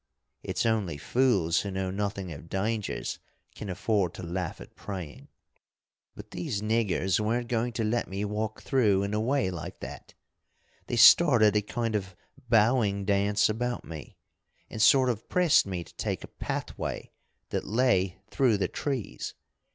It's only fools who know nothing of dangers can afford to laugh at praying. "But these niggers weren't going to let me walk through and away like that. They started a kind of bowing dance about me, and sort of pressed me to take a pathway that lay through the trees.